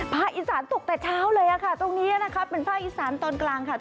อีสานตกแต่เช้าเลยค่ะตรงนี้นะครับเป็นภาคอีสานตอนกลางค่ะ